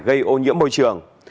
gây ô nhiễm môi trường